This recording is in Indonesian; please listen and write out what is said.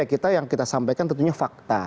kita yang kita sampaikan tentunya fakta